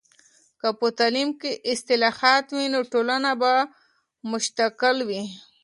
که په تعلیم کې اصلاحات وي، نو ټولنه به متشکل وي.